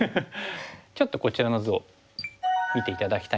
ちょっとこちらの図を見て頂きたいんですけども。